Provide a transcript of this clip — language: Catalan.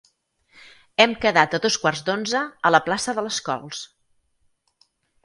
Hem quedat a dos quarts d'onze a la plaça de les Cols.